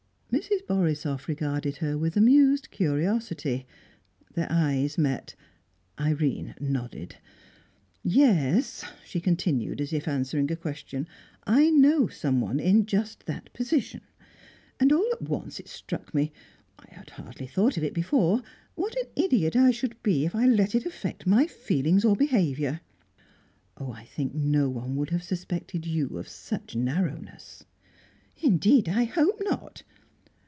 Mrs. Borisoff regarded her with amused curiosity. Their eyes met. Irene nodded. "Yes," she continued, as if answering a question, "I know someone in just that position. And all at once it struck me I had hardly thought of it before what an idiot I should be if I let it affect my feelings or behaviour!" "I think no one would have suspected you of such narrowness." "Indeed I hope not!